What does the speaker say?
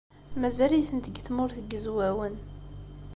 Mazal-itent deg Tmurt n Yizwawen.